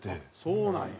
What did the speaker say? そうなんや。